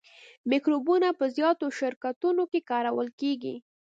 مکروبونه په زیاتو شرکتونو کې کارول کیږي.